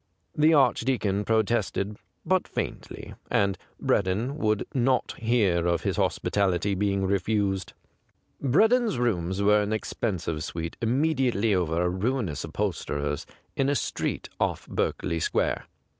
The Archdeacon pro tested, but faintly, and Breddon would not hear of his hospitality being refused. Breddon's rooms were an expen sive suite immediately over a ruinous upholsterer's in a street off Berkeley Square.